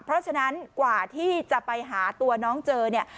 เพราะฉะนั้นกว่าที่จะไปหาตัวน้องเจอเนี่ย